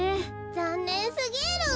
ざんねんすぎる。